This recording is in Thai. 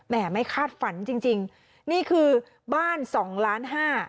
แหม่ไม่คาดฝันจริงนี่คือบ้านสองล้านห้า